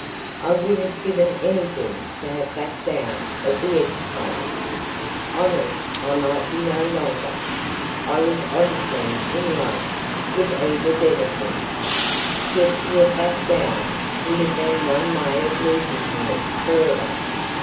I would have given anything to have backed out of the enterprise. Honest I might be no longer; I was honestly in love with Eva Denison. Yet to have backed out would have been one way of losing her for ever.